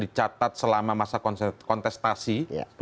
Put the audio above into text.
dicatat selama masa kontestasi